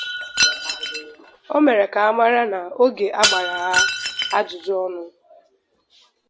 O mere ka a mara na oge a gbara ha ajụjụọnụ